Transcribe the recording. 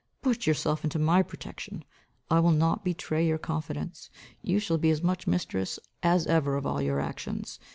Put yourself into my protection. I will not betray your confidence. You shall be as much mistress as ever of all your actions.